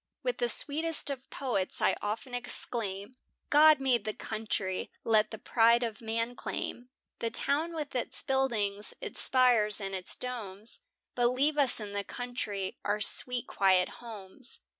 With the sweetest of poets I often exclaim, "God made the country," let the pride of man claim The town with its buildings, its spires, and its domes, But leave us in the country our sweet quiet homes.